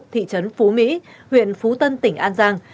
thị trấn phú mỹ huyện phú tân tỉnh an giang